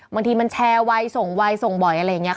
บางทีมันแชร์ไวส่งไวส่งบ่อยอะไรอย่างนี้